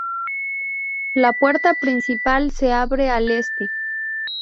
La puerta principal se abre al este.